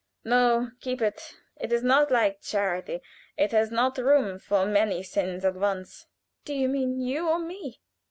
No, keep it! It is not like charity it has not room for many sins at once." "Do you mean you or me?"